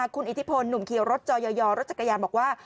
คุณอิทธิพลหนุ่มเขียวรถจอยอรถจักรยานบอกว่า